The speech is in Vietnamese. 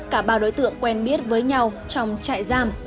cả ba đối tượng quen biết với nhau trong trại giam